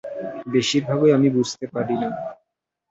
বেশির ভাগই আমি বুঝতে পারি না।